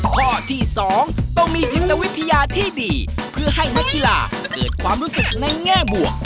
ข้อที่๒ต้องมีจิตวิทยาที่ดีเพื่อให้นักกีฬาเกิดความรู้สึกในแง่บวก